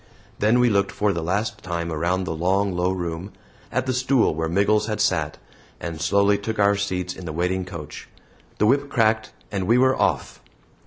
Then we looked for the last time around the long low room, at the stool where Miggles had sat, and slowly took our seats in the waiting coach. The whip cracked, and we were off!